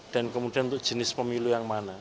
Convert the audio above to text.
dan kemudian untuk jenis pemilu yang mana